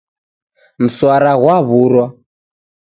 Mswara ghwaw'urwa.